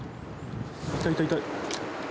いた、いた、いた。